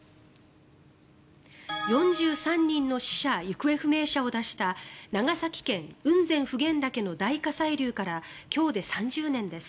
４３人の死者・行方不明者を出した長崎県、雲仙・普賢岳の大火砕流から今日で３０年です。